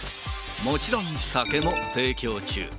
もちろん、酒も提供中。